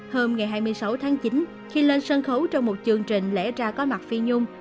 hôm ngày hai mươi sáu tháng chín khi lên sân khấu trong một chương trình lẽ ra có mặt phi nhung